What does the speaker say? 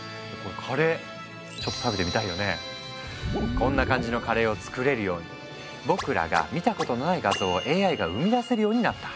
こんな感じのカレーを作れるように僕らが見たことのない画像をＡＩが生み出せるようになった。